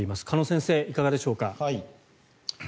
鹿野先生、いかがでしょうか。